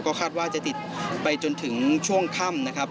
ก็คาดว่าจะติดไปจนถึงช่วงค่ำนะครับ